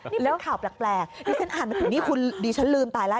นี่สิตข่าวแปลกนี่ฉันอ่านบทนี้คุณดีฉันลืมตายแล้ว